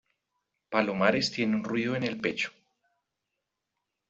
palomares tiene un ruido en el pecho